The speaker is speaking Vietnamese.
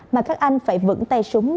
mà các anh phải vững tay súng